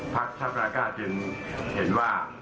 พระชาติรากาศยังเห็นว่า